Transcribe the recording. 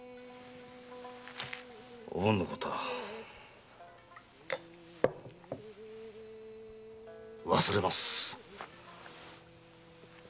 おぶんのことは忘れます！